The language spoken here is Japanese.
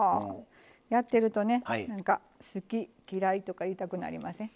やってるとね「好き」「嫌い」とか言いたくなりません？